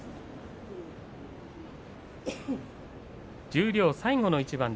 十両最後の一番。